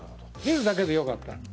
出るだけでよかった。